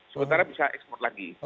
sementara bisa ekspor lagi